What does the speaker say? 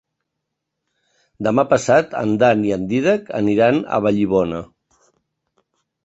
Demà passat en Dan i en Dídac aniran a Vallibona.